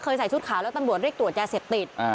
ใส่ชุดขาวแล้วตำรวจเรียกตรวจยาเสพติด